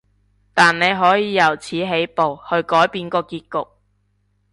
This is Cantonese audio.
但你可以由此起步，去改變個結局